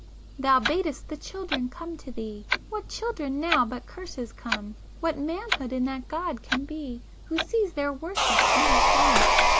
Thou bad'st the children come to thee,— What children now but curses come, What manhood in that God can be Who sees their worship and is dumb?